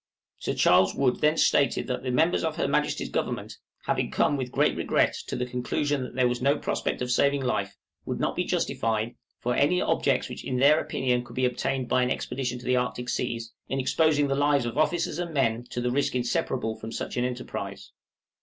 Sir Charles Wood then stated "that the members of Her Majesty's Government, having come, with great regret, to the conclusion that there was no prospect of saving life, would not be justified, for any objects which in their opinion could be obtained by an expedition to the Arctic seas, in exposing the lives of officers and men to the risk inseparable from such an enterprise."